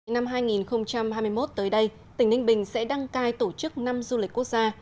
năm hai nghìn hai mươi một tới đây tỉnh ninh bình sẽ đăng cai tổ chức năm du lịch quốc gia